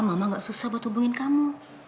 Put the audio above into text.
mama gak susah buat hubungin kamu